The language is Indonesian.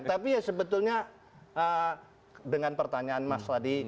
tapi sebetulnya dengan pertanyaan mas tadi